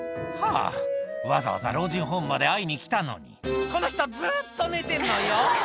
「はぁわざわざ老人ホームまで会いに来たのにこの人ずっと寝てんのよ！」